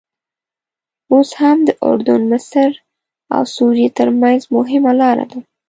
اوس هم د اردن، مصر او سوریې ترمنځ مهمه لاره ده.